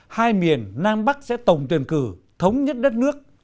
hai miền nam bắc sẽ tổng tuyển cử thống nhất đất nước